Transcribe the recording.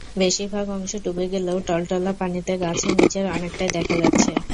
বেশির ভাগ অংশ ডুবে গেলেও টলটলা পানিতে গাছের নিচের অনেকটাই দেখা যাচ্ছে।